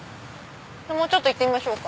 もうちょっと行ってみましょうか。